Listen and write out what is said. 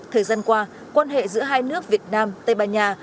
thời gian qua quan hệ giữa hai nước việt nam tây ban nha